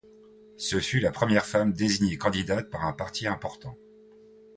Ce fut la première femme désignée candidate par un parti important.